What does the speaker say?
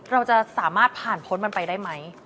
เราจะสามารถผ่านพ้นมันไปได้ไหม